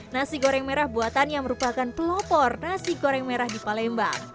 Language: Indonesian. nasi goreng merah buatan yang merupakan pelopor nasi goreng merah di palembang